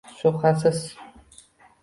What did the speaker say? Shubhasiz!